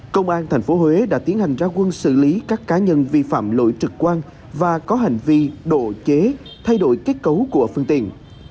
công an tp huế đã tiến hành ra quân xử lý các cá nhân vi phạm lỗi trực quan và có hành vi độ chế thay đổi kết cấu của phương tiện